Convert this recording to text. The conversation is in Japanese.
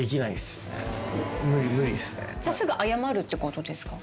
すぐ謝るってことですか？